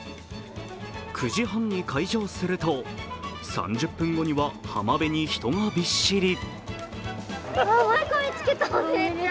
９時半に開場すると３０分後には浜辺に人がびっしり。